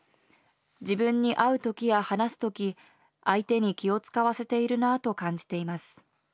自分に会う時や話す時相手に気を使わせているなぁと感じています。